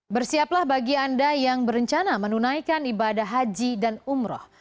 bersiaplah bagi anda yang berencana menunaikan ibadah haji dan umroh